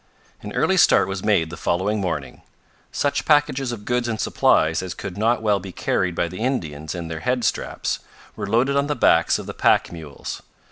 An early start was made the following morning. Such packages of goods and supplies as could not well be carried by the Indians in their head straps, were loaded on the backs of the pack mules.